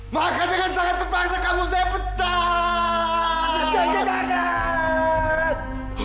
maka jangan sangat terbangsa kamu saya pecaaaaaat